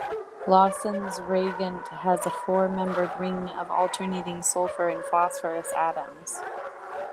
Lawesson's reagent has a four membered ring of alternating sulfur and phosphorus atoms.